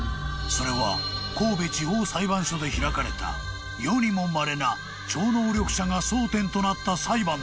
［それは神戸地方裁判所で開かれた世にもまれな超能力者が争点となった裁判だった］